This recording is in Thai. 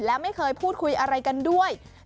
และไม่เคยพูดคุยอะไรกันด้วย